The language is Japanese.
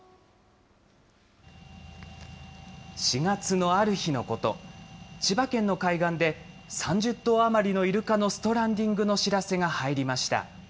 ４月のある日のこと、千葉県の海岸で、３０頭余りのイルカのストランディングの知らせが入りました。